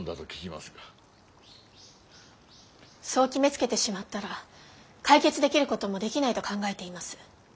そう決めつけてしまったら解決できることもできないと考えています。